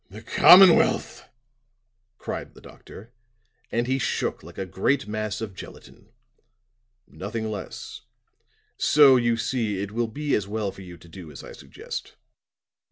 "The commonwealth!" cried the doctor, and he shook like a great mass of gelatine. "Nothing less. So, you see, it will be as well for you to do as I suggest."